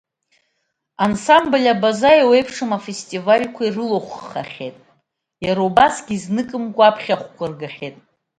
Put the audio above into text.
Ансамбль Абаза еиуеиԥшым афестивальқәа ирылахәхахьеит, иара убасгьы изныкымкуа аԥхьахәқәа ргахьеит.